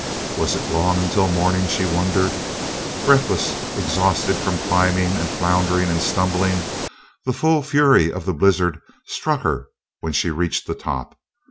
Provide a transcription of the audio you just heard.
Was it long until morning, she wondered? Breathless, exhausted from climbing and floundering and stumbling, the full fury of the blizzard struck her when she reached the top.